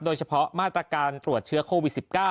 โดยเฉพาะมาตรการตรวจเชื้อโควิด๑๙